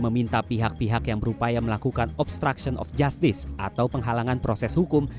meminta pihak pihak yang berupaya melakukan obstruction of justice atau penghalangan proses hukum